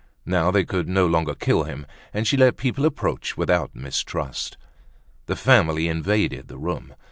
Now, they could no longer kill him, and she let people approach without mistrust. The family invaded the room.